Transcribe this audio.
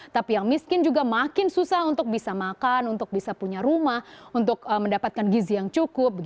tapi yang miskin juga makin susah untuk bisa makan untuk bisa punya rumah untuk mendapatkan gizi yang cukup